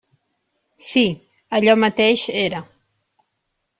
Sí; allò mateix era.